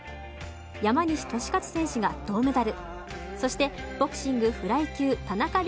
山西利和選手が銅メダル。